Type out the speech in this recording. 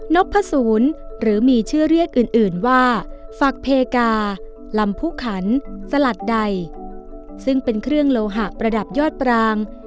พศูนย์หรือมีชื่อเรียกอื่นว่าฝักเพกาลำผู้ขันสลัดใดซึ่งเป็นเครื่องโลหะประดับยอดปราง